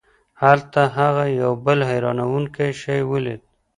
هلته هغه یو بل حیرانوونکی شی ولید.